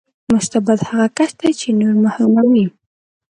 مستبد هغه کس دی چې نور محروموي.